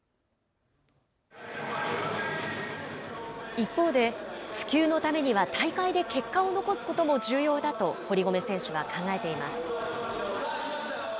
一方で、普及のためには、大会で結果を残すことも重要だと、堀米選手は考えています。